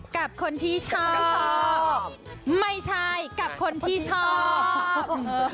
กับเพลงที่มีชื่อว่ากี่รอบก็ได้